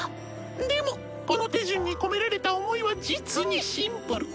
でもこの手順に込められた想いは実にシンプル。